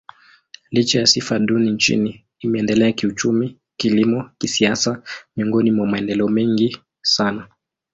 Licha ya sifa duni nchini, imeendelea kiuchumi, kilimo, kisiasa miongoni mwa maendeleo mengi sana.